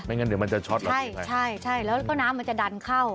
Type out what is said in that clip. ไม่งั้นเดี๋ยวมันจะช็อตใช่แล้วก็น้ำมันจะดันเข้า